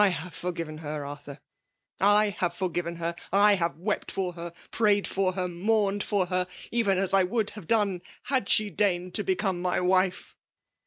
have forgiven her, Arthur, /have forgiven her. / have wept for her, prayed for her, mourned for her, even as I would have done, had she deigned to become my wife